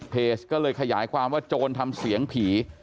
ก็เลยขยายความว่าโจรทำเสียงผี